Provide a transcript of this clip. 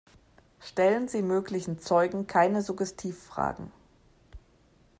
Stellen Sie möglichen Zeugen keine Suggestivfragen.